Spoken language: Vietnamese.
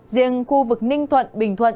riêng khu vực ninh thuận bình thuận